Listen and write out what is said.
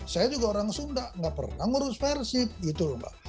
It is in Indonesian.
saya juga orang sunda nggak pernah ngurus persib gitu loh mbak